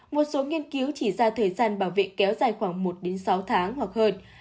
một số nghiên cứu chỉ ra thời gian bảo vệ kéo dài khoảng một sáu tháng hoặc hơn